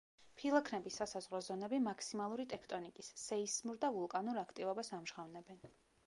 ფილაქნების სასაზღვრო ზონები მაქსიმალური ტექტონიკის, სეისმურ და ვულკანურ აქტივობას ამჟღავნებენ.